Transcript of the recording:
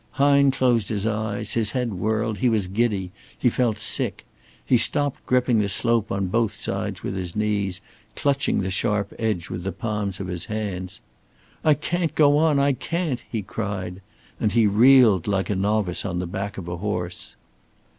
Hine closed his eyes, his head whirled, he was giddy, he felt sick. He stopped gripping the slope on both sides with his knees, clutching the sharp edge with the palms of his hands. "I can't go on! I can't," he cried, and he reeled like a novice on the back of a horse.